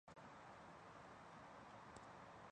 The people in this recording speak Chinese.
这里生产的布被送往阿灵顿工厂。